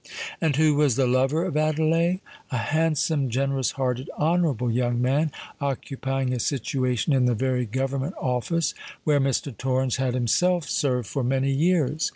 And who was the lover of Adelais? A handsome, generous hearted, honourable young man, occupying a situation in the very Government office where Mr. Torrens had himself served for many years.